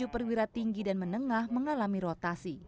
enam ratus tiga puluh tujuh perwira tinggi dan menengah mengalami rotasi